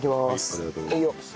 ありがとうございます。